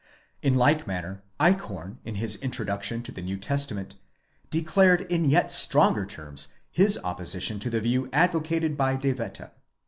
In hke manner Eichhorn, in his Introduction to the New Testament, declared in yet stronger terms his opposition to the view advocated by De Wette.